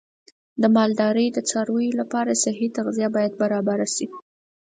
د مالدارۍ د څارویو لپاره صحي تغذیه باید برابر شي.